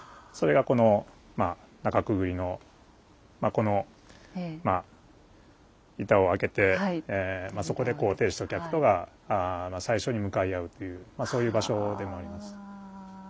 それがこの「中潜り」のこのまあ板を開けてそこでこう亭主と客とが最初に向かい合うっていうそういう場所でもあります。